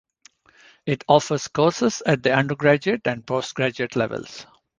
It offers courses at the undergraduate and post-graduate levels.